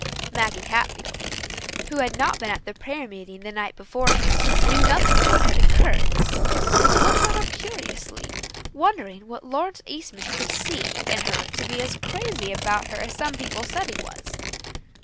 Maggie Hatfield, who had not been at prayer meeting the night beforehand knew nothing of what had occurred, looked at her curiously, wondering what Lawrence Eastman could see in her to be as crazy about her as some people said he was.